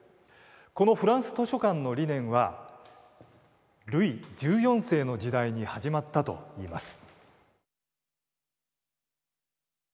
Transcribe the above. このフランス図書館の理念はルイ１４世の時代に始まったといいます。